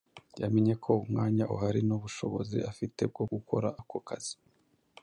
yamenye ko umwanya uhari n’ubushobozi afite bwo gukora ako kazi.